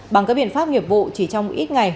bằng các biện pháp nghiệp vụ chỉ trong ít ngày